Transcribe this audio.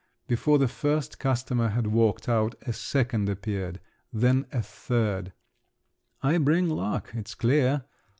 Before the first customer had walked out, a second appeared, then a third…. "I bring luck, it's clear!"